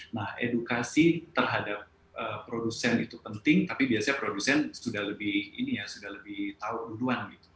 nah edukasi terhadap produsen itu penting tapi biasanya produsen sudah lebih tahu duluan